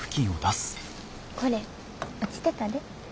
これ落ちてたで。